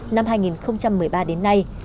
năm hai nghìn một mươi ba đến nay